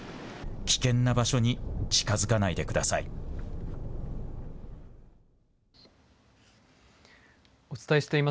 危険な場所に近づかないでください。